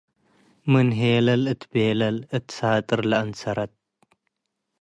ምን ሄላል እት ቤላል እት ትሰጠር ለአንሰረት